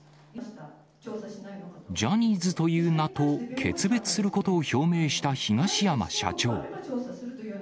ジャニーズという名と決別することを表明した東山社長。